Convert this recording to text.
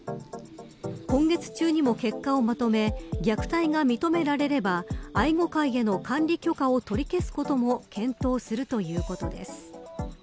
今月中にも結果をまとめ虐待が認められれば愛護会への管理許可を取り消すことも検討するということです。